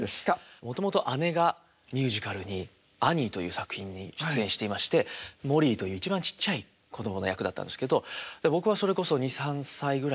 もともと姉がミュージカルに「アニー」という作品に出演していましてモリーという一番ちっちゃい子供の役だったんですけど僕はそれこそ２３歳ぐらいかな。